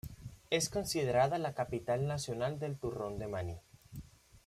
Es considerada la Capital Nacional del turrón de maní.